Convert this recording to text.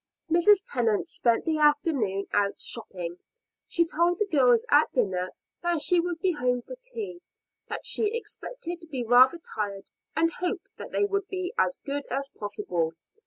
Mrs. Tennant spent the afternoon out shopping. She told the girls at dinner that she would be home for tea, that she expected to be rather tired, and hoped that they would be as good as possible.